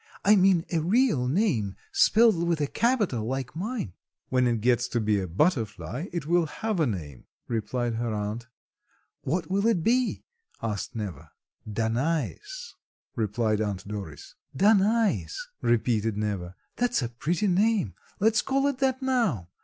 "I mean a real name spelled with a capital, like mine?" "When it gets to be a butterfly it will have a name," replied her aunt. "What will it be?" asked Neva. "Danais," replied Aunt Doris. "Danais," repeated Neva, "That's a pretty name, let's call it that now.